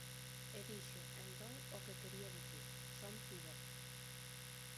E dixo, entón, o que quería dicir: Son pivote.